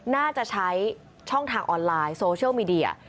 น่าจะใช้ช่องทางออนไลน์โซเชียลมีเดีย